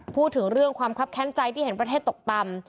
พูดถึงเรื่องความคับแค้นใจที่เห็นประเทศตกต่ำ